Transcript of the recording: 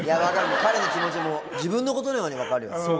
彼の気持ちも自分のことのように分かるよ。